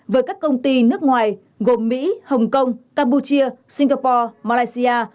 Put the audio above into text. với các công ty nước ngoài gồm mỹ hồng kông campuchia singapore malaysia